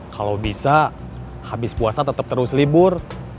kalau bisa habis puasa tetap terus libur